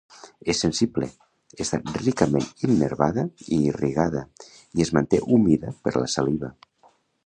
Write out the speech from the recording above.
És sensible, està ricament innervada i irrigada, i es manté humida per la saliva.